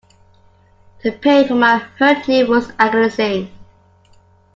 The pain from my hurt knee was agonizing.